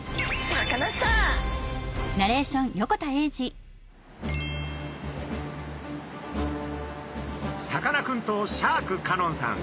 さかなクンとシャーク香音さん